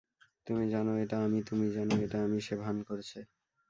তুমি জানো এটা আমি তুমি জানো এটা আমি সে ভান করছে।